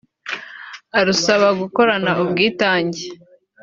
arusaba gukorana ubwitange